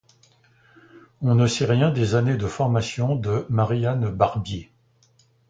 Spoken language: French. On ne sait rien des années de formation de Marie-Anne Barbier.